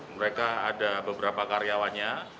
mereka ada beberapa karyawannya